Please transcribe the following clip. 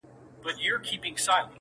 o ټولنه د اصلاح اړتيا لري ډېر,